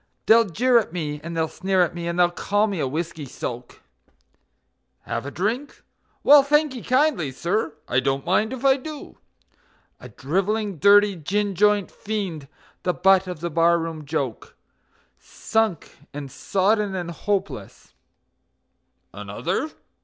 They'll jeer at me, and they'll sneer at me, and they'll call me a whiskey soak; ("Have a drink? Well, thankee kindly, sir, I don't mind if I do.") A drivelling, dirty, gin joint fiend, the butt of the bar room joke; Sunk and sodden and hopeless "Another?